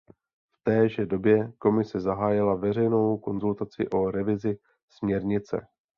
V téže době Komise zahájila veřejnou konzultaci o revizi směrnice.